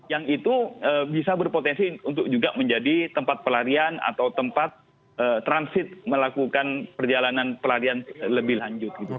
yang itu bisa berpotensi untuk juga menjadi tempat pelarian atau tempat transit melakukan perjalanan pelarian lebih lanjut